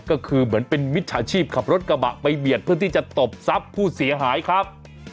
ก็คือเหมือนเป็นมิจฉาชีพขับรถกระบะไปเบียดเพื่อที่จะตบทรัพย์ผู้เสียหายครับ